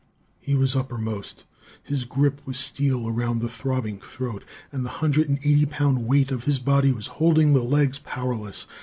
He was uppermost; his grip was steel around the throbbing throat, and the hundred and eighty pound weight of his body was holding the legs powerless.